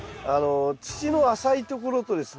土の浅いところとですね